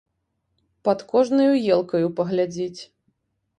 Пад кожнаю елкаю паглядзіць.